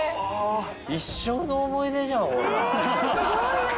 一生の思い出じゃんこんなん。